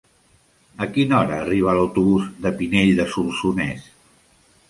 A quina hora arriba l'autobús de Pinell de Solsonès?